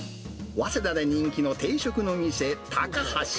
早稲田で人気の定食の店、たかはし。